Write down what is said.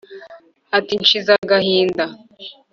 ati: nshize agahinda